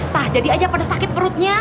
nah jadi aja pada sakit perutnya